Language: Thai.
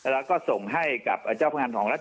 แล้วก็ส่งให้กับเจ้าพนักงานของรัฐ